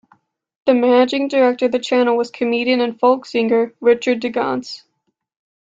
The managing director of the channel was comedian and folk singer Richard Digance.